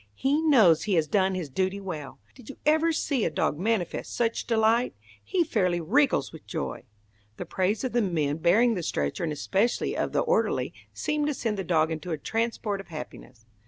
"He knows he has done his duty well. Did you ever see a dog manifest such delight! He fairly wriggles with joy!" The praise of the men bearing the stretcher, and especially of the orderly, seemed to send the dog into a transport of happiness.